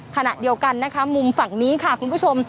ขณะเดียวกันนะคะมุมฝั่งนี้ค่ะคุณผู้ชม